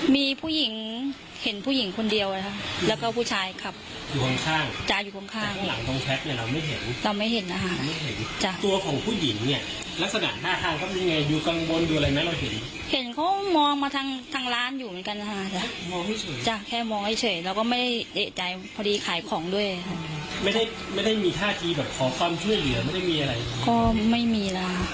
มีผู้หญิงเห็นผู้หญิงคนเดียวนะครับแล้วก็ผู้ชายครับอยู่ข้างตัวของผู้หญิงเนี่ยลักษณะหน้าทางก็มีไงอยู่กลางบนดูอะไรมั้ยเราเห็นเห็นเขามองมาทางทางร้านอยู่เหมือนกันนะฮะแค่มองให้เฉยแล้วก็ไม่ได้เอกใจพอดีขายของด้วยไม่ได้ไม่ได้มีท่าทีแบบขอความช่วยเหลือไม่ได้มีอะไรก็ไม่มีแล้ว